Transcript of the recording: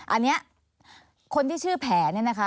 อันนี้คนที่ชื่อแผนเนี่ยนะคะ